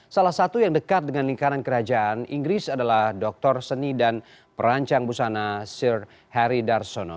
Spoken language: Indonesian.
salah satu yang dekat dengan lingkaran kerajaan inggris adalah doktor seni dan perancang busana sir harry darsono